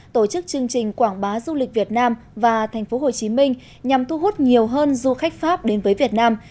tổ chức chương trình quảng bá du lịch việt nam và tp hcm nhằm thu hút nhiều hơn du khách pháp đến với việt nam